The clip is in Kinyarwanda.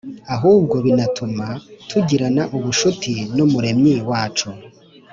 ahubwo binatuma tugirana ubucuti n’Umuremyi wacu